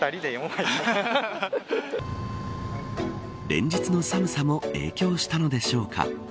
連日の寒さも影響したのでしょうか。